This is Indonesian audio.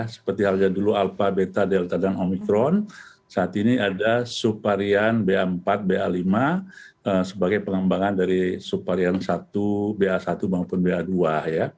seperti halnya dulu alpha beta delta dan omikron saat ini ada subvarian ba empat ba lima sebagai pengembangan dari subvarian satu ba satu maupun ba dua